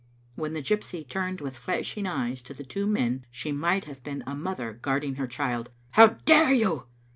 When the gypsy turned with flashing eyes to the two men she might have been a mother guarding her child. How dare you!"